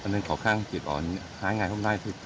nên khó khăn chỉ có hai ngày hôm nay